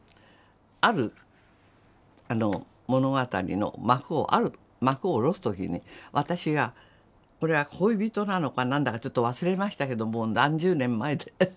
ある物語の幕をある幕を下ろす時に私がこれは恋人なのか何だかちょっと忘れましたけどもう何十年も前で。